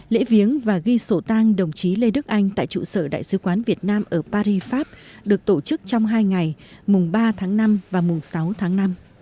lễ viếng và ghi sổ tang đồng chí lê đức anh tại trụ sở đại sứ quán việt nam ở paris pháp được tổ chức trong hai ngày mùng ba tháng năm và mùng sáu tháng năm